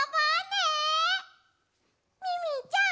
ミミィちゃん